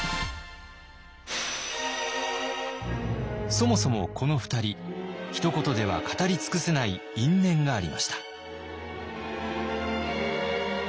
そもそもこの２人ひと言では語り尽くせない因縁がありました。